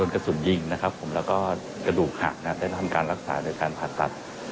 กระดูกหักได้ทำรักษาในการผ่าตัด